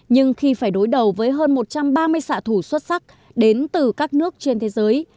nhưng khi phải đối đầu với hơn một trăm ba mươi xạ thủ xuất sắc đến từ các nước trên thế giới